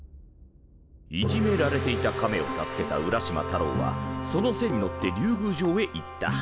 いじめられていたカメを助けた浦島太郎はその背に乗って竜宮城へ行った。